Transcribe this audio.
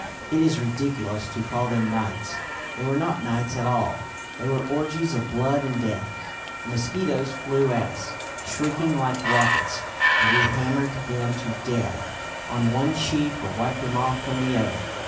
It is ridiculous to call them nights. They were not nights at all; they were orgies of blood and death. The mosquitoes flew at us, shrieking like rockets; and we hammered them to death on one cheek or wiped them off from the other.